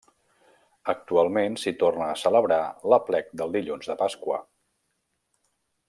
Actualment s'hi torna a celebrar l'aplec del dilluns de Pasqua.